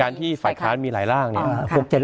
ที่ฝ่ายค้านมีหลายร่างเนี่ย